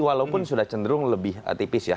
walaupun sudah cenderung lebih tipis ya